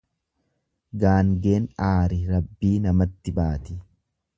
Gaangeen aari Rabbii namatti baati.